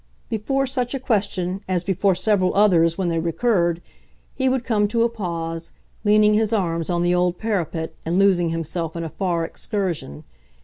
Before such a question, as before several others when they recurred, he would come to a pause, leaning his arms on the old parapet and losing himself in a far excursion.